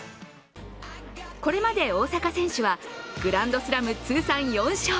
これまで大坂選手はグランドスラム通算４勝。